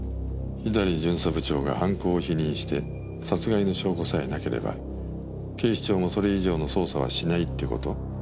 左巡査部長が犯行を否認して殺害の証拠さえなければ警視庁もそれ以上の捜査はしないって事？